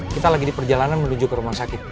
kita lagi di perjalanan menuju ke rumah sakit